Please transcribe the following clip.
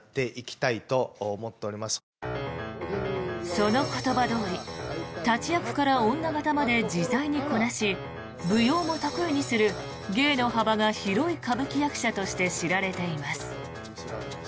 その言葉どおり立ち役から女形まで自在にこなし舞踊も得意とする芸の幅が広い歌舞伎役者として知られています。